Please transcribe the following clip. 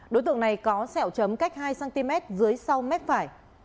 đối tượng này có sẹo chấm cách hai cm dưới sau mép phải